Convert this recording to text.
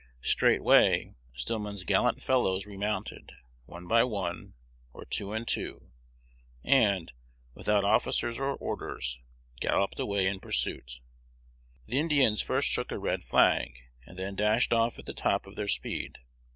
Straightway Stillman's gallant fellows remounted, one by one, or two and two, and, without officers or orders, galloped away in pursuit. The Indians first shook a red flag, and then dashed off at the top of their speed.